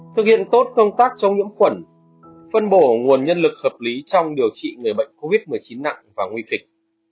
thực hiện tốt công tác chống nhiễm khuẩn phân bổ nguồn nhân lực hợp lý trong điều trị người bệnh covid một mươi chín nặng và nguy kịch